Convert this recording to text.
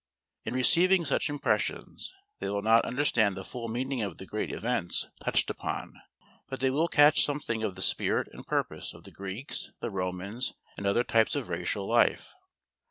In receiving such impressions, they will not understand the full meaning of the great events touched upon, but they will catch something of the spirit and purpose of the Greeks, the Romans, and other types of racial life.